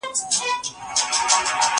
زه دي يو ځلي پر ژبه مچومه